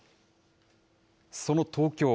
その東京。